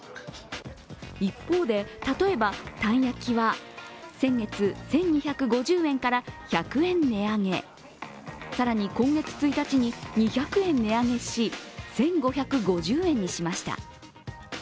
一方で、例えばタン焼きは先月、１２５０円から１００円値上げ、更に今月１日に２００円値上げし１５５０円にしました。